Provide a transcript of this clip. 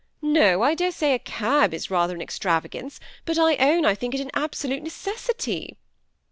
No, I dare say a cab is rather an extravagance; but I own I think it an absolute necessity."